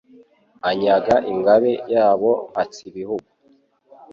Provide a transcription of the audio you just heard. anyaga ingabe yabo Mpatsibihugu.